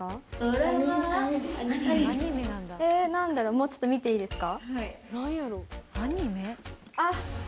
もうちょっと見ていいですか？